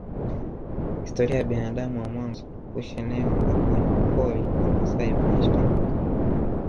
Historia ya binadamu wa mwanzo kuishi eneo ambako wanyamapori na wamaasai wanaishi pamoja